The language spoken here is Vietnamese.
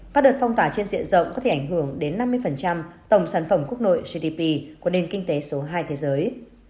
các đợt phong tỏa trên diện rộng có thể ảnh hưởng đến năm mươi tổng sản phẩm quốc nội gdp của nền kinh tế số hai thế giới